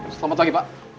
selamat pagi pak